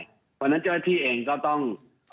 เพราะฉะนั้นเจ้าหน้าที่เองก็ต้อง